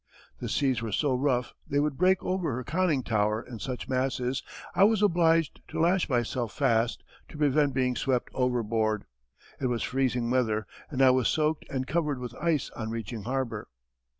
The seas were so rough they would break over her conning tower in such masses I was obliged to lash myself fast to prevent being swept overboard. It was freezing weather and I was soaked and covered with ice on reaching harbour.